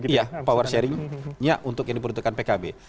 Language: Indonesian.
iya power sharingnya untuk yang diperuntukkan pkb